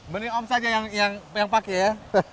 mending om saja yang pakai ya